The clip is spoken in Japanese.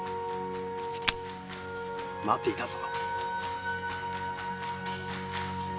待っていたぞ。